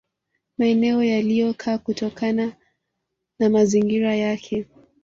Maeneo waliyokaa kutokana na mazingira yake